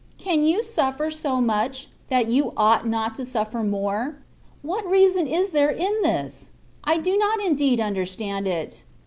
Can you suffer so much, that you ought not to suffer more ? What reason is there in this ? I do not indeed understand it.